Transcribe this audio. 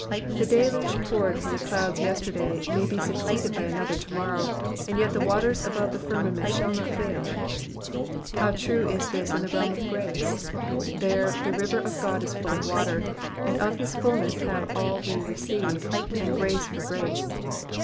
The deluge poured from the clouds yesterday may be succeeded by another to morrow, and yet the waters above the firmament shall not fail. How true is this in the realm of grace ; there the river of God is full of water,'* and of his fulness have all we received, and grace for grace.'